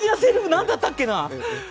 何だったっけな。